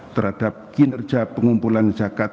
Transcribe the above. terhadap kinerja pengumpulan zakat